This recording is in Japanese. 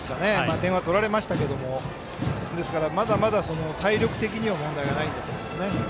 点は取られましたけどまだまだ体力的にも問題がないんだと思います。